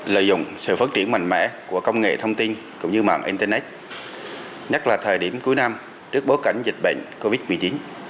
lợi dụng sự phát triển mạnh mẽ của công nghệ thông tin cũng như mạng internet nhất là thời điểm cuối năm trước bối cảnh dịch bệnh covid một mươi chín